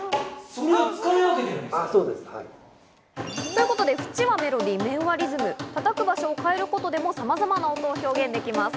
ということで、フチはメロディー、面はリズム、叩く場所を変えることでさまざまの音を表現できます。